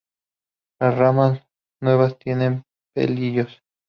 Las ramas nuevas tienen pelillos.